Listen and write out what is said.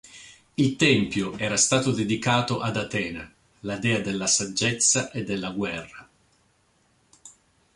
Il tempio era stato dedicato ad Atena, la dea della saggezza e della guerra.